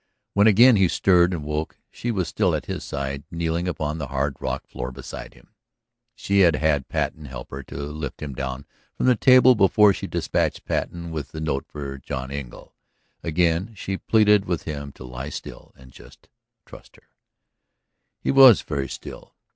When again he stirred and woke she was still at his side, kneeling upon the hard rock floor beside him. ... She had had Patten help her to lift him down from the table before she despatched Patten with the note for John Engle. Again she pleaded with him to lie still and just trust to her. He was very still.